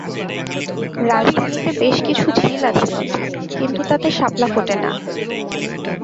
রাজধানীতে বেশ কিছু ঝিল আছে বটে, কিন্তু তাতে শাপলা ফোটে না।